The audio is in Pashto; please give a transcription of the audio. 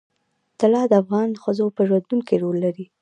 طلا د افغان ښځو په ژوند کې رول لري.